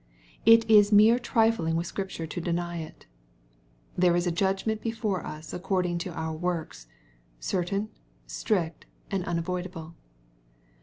It is mere trifling with Scripture to deny it. There is a judgment before us according to our works, certain, strict, and imavoida ble.